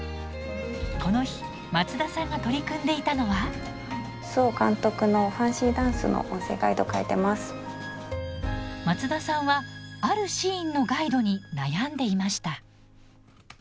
この日松田さんが取り組んでいたのは松田さんはあるシーンのガイドに悩んでいました。